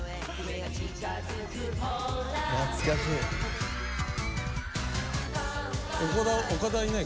懐かしい。